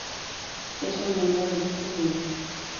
Es un miembro del grupo Winner.